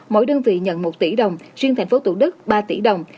mỗi đơn vị nhận một tỷ đồng riêng thành phố thủ đức ba tỷ đồng